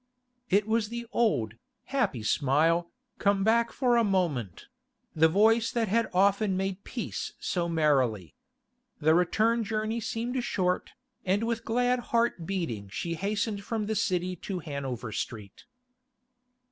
It was the old, happy smile, come back for a moment; the voice that had often made peace so merrily. The return journey seemed short, and with glad heart beating she hastened from the City to Hanover Street.